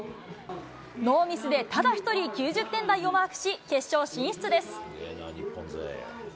ノーミスで、ただ一人、９０点台をマークし、決勝進出です。